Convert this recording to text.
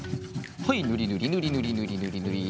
はいぬりぬりぬりぬりぬりぬりぬり。